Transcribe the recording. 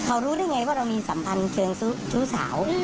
เขารู้ได้ไงว่าเรามีสัมพันธ์เชิงชู้สาว